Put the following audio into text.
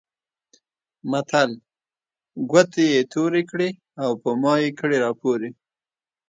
متل؛ ګوتې يې تورې کړې او په مايې کړې راپورې.